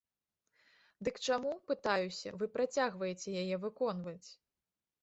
Дык чаму, пытаюся, вы працягваеце яе выконваць?